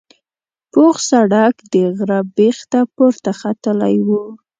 پوخ سړک د غره بیخ ته پورته ختلی و.